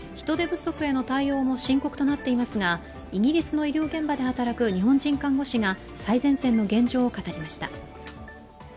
人手不足への対応も深刻となっていますが、イギリスの医療現場で働く日本人看護師が最前線の現状を語りました。